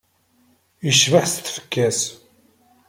Yecbeḥ s tfekka-s.